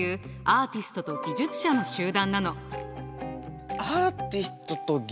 アーティストと技術者の集団？